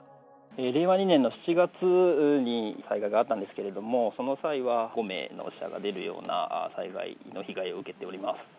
令和２年の７月に災害があったんですけれども、その際は５名の死者が出るような災害の被害を受けております。